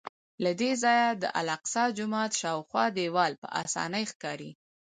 له دې ځایه د الاقصی جومات شاوخوا دیوال په اسانۍ ښکاري.